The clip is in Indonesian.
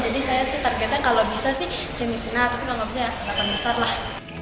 jadi saya sih targetnya kalau bisa sih semisina tapi kalau nggak bisa ya bakal besar lah